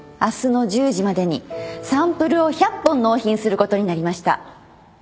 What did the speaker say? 明日の１０時までにサンプルを１００本納品することになりました。